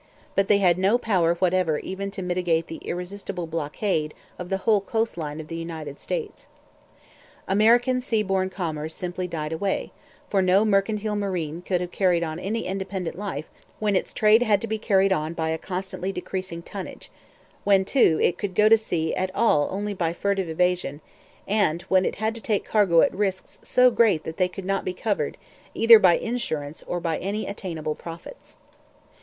But they had no power whatever even to mitigate the irresistible blockade of the whole coast line of the United States. American sea borne commerce simply died away; for no mercantile marine could have any independent life when its trade had to be carried on by a constantly decreasing tonnage; when, too, it could go to sea at all only by furtive evasion, and when it had to take cargo at risks so great that they could not be covered either by insurance or by any attainable profits.